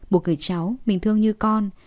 một người cháu mình thương như con